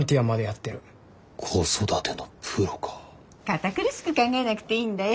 堅苦しく考えなくていいんだよ。